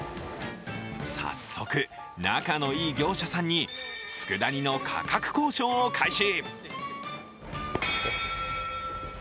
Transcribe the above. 早速、仲のいい業者さんに佃煮の価格交渉を開始。